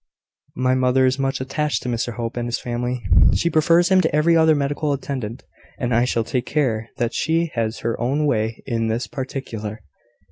My mother is much attached to Mr Hope and his family; she prefers him to every other medical attendant; and I shall take care that she has her own way in this particular."